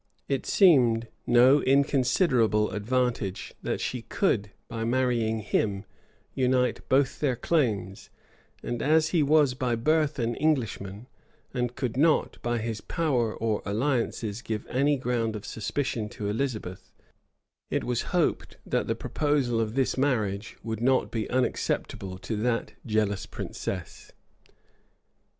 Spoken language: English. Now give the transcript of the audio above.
It seemed no inconsiderable advantage, that she could, by marrying him, unite both their claims; and as he was by birth an Englishman, and could not by his power or alliances give any ground of suspicion to Elizabeth, it was hoped that the proposal of this marriage would not be unacceptable to that jealous princess.